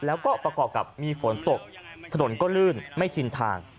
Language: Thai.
แล้วก็ประกอบกับมีฝนตกถนนก็ลื่นไม่ชินทาง